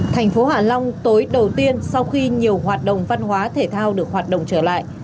thành phố hạ long tối đầu tiên sau khi nhiều hoạt động văn hóa thể thao được hoạt động trở lại